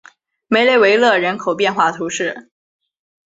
梅雷维勒人口变化图示